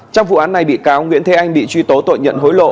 trong vụ án này bị cáo nguyễn thế anh bị truy tố tội nhận hối lộ